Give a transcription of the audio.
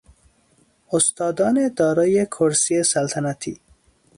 استادان دارای کرسی سلطنتی